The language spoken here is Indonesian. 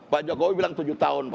pak jokowi bilang tujuh tahun